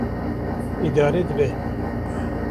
Îdare dibe.